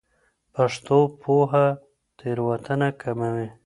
پښتو پوهه تېروتنه کموي.